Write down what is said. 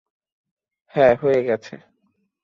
হ্যাঁ, হয়ে গেছে।